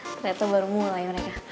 ternyata baru mulai mereka